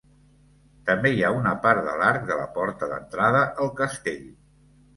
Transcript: També hi ha una part de l'arc de la porta d'entrada al castell.